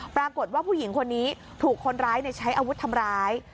ปรากฏว่าผู้หญิงคนนี้ถูกคนร้ายใช้อาวุธทำร้าย